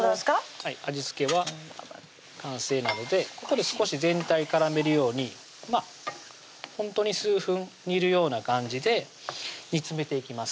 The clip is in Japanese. はい味付けは完成なのでここで少し全体絡めるようにほんとに数分煮るような感じで煮詰めていきます